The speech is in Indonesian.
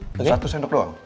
satu sendok doang